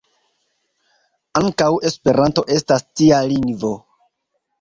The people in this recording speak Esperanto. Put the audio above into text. Ankaŭ Esperanto estas tia lingvo.